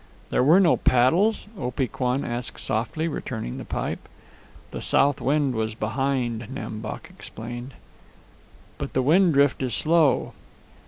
"There were no paddles?" Opee Kwan asked softly, returning the pipe. "The south wind was behind," Nam Bok explained. "But the wind drift is slow."